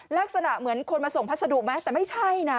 ลักษณะเหมือนคนมาส่งพัสดุไหมแต่ไม่ใช่นะ